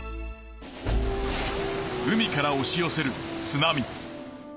海からおしよせる津波。